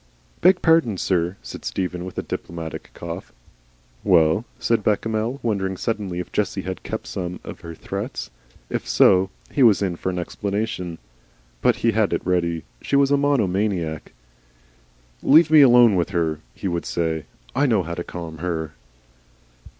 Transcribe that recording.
"Beg pardon, sir," said Stephen, with a diplomatic cough. "Well?" said Bechamel, wondering suddenly if Jessie had kept some of her threats. If so, he was in for an explanation. But he had it ready. She was a monomaniac. "Leave me alone with her," he would say; "I know how to calm her."